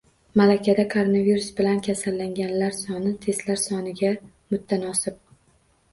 Mamlakatda koronavirus bilan kasallanganlar soni testlar soniga mutanosib